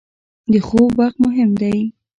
• د خوب وخت مهم دی.